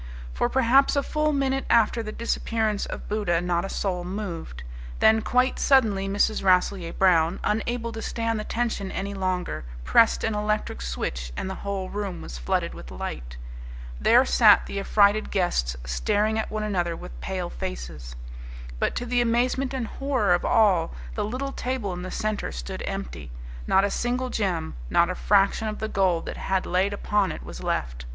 For perhaps a full minute after the disappearance of Buddha not a soul moved. Then quite suddenly Mrs. Rasselyer Brown, unable to stand the tension any longer, pressed an electric switch and the whole room was flooded with light. There sat the affrighted guests staring at one another with pale faces. But, to the amazement and horror of all, the little table in the centre stood empty not a single gem, not a fraction of the gold that had lain upon it was left.